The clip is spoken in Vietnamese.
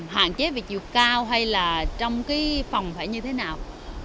hoàn chế về chiều cao hay là trong cái phòng phải như thế nào